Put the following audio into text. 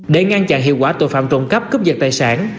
để ngăn chặn hiệu quả tội phạm trộm cắp cướp dật tài sản